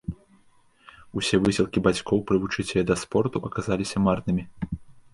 Усе высілкі бацькоў прывучыць яе да спорту аказаліся марнымі.